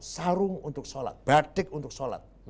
sarung untuk sholat batik untuk sholat